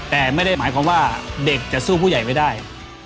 แต่ไม่ได้หมายความว่าเด็กจะสู้ผู้ใหญ่ไม่ได้